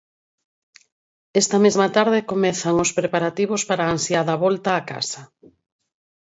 Esta mesma tarde comezan os preparativos para a ansiada volta á casa.